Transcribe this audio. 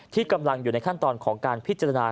ที่กำลังอยู่ในขั้นตอนของการพิจารณา